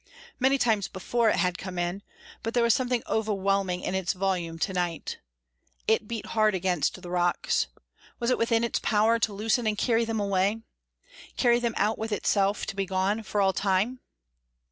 Many times before it had come in, but there was something overwhelming in its volume to night. It beat hard against the rocks. Was it within its power to loosen and carry them away? Carry them out with itself to be gone for all time?